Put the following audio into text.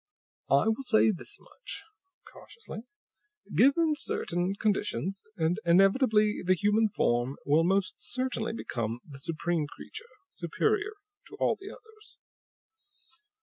"I will say this much," cautiously. "Given certain conditions, and inevitably the human form will most certainly become the supreme creature, superior to all the others.